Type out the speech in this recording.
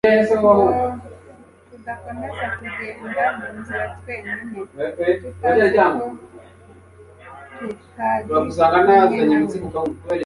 ngo tudakomeza kugenda mu nzira twenyine, tutazi ko tutari kumwe na we.